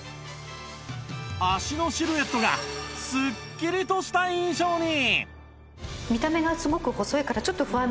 脚のシルエットがすっきりとした印象に！